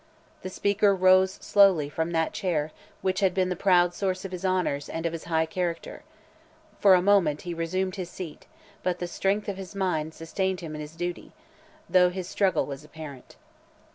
The Speaker rose slowly from that chair which had been the proud source of his honours and of his high character. For a moment he resumed his seat, but the strength of his mind sustained him in his duty, though his struggle was apparent.